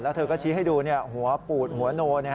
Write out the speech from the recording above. เธอก็ชี้ให้ดูหัวปูดหัวโน